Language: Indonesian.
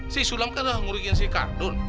si sulam kan udah ngurigin si kardun